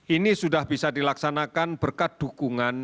ini sudah bisa dilaksanakan berkat dukungan